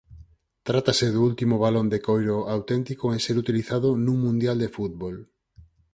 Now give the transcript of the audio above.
Trátase do último balón de coiro auténtico en ser utilizado nun Mundial de fútbol.